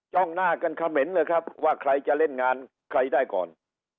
หน้ากันเขม็นเลยครับว่าใครจะเล่นงานใครได้ก่อน